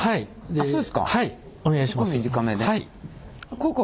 はい。